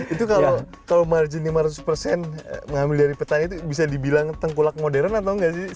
itu kalau margin lima ratus persen mengambil dari petani itu bisa dibilang tengkulak modern atau nggak sih